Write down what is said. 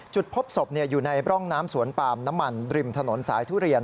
จุดพบศพอยู่ในร่องน้ำสวนปาล์มน้ำมันริมถนนสายทุเรียน